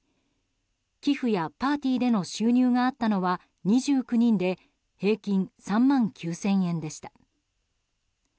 寄付やパーティーでの収入があったのは２９人で平均３万９０００円でした。